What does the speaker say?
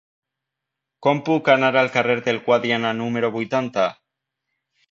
Com puc anar al carrer del Guadiana número vuitanta?